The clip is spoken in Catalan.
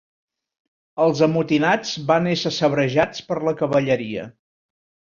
Els amotinats van ésser sabrejats per la cavalleria.